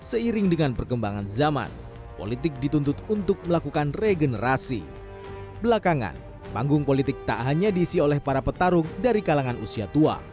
seiring dengan perkembangan zaman politik dituntut untuk melakukan regenerasi belakangan panggung politik tak hanya diisi oleh para petarung dari kalangan usia tua